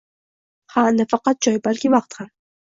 Ha, nafaqat joy, balki vaqt ham.